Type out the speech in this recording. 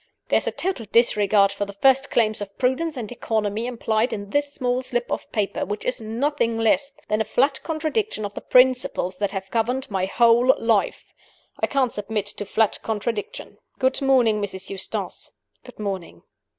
There's a total disregard of the first claims of prudence and economy implied in this small slip of paper which is nothing less than a flat contradiction of the principles that have governed my whole life. I can't submit to flat contradiction. Good morning, Mrs. Eustace good morning."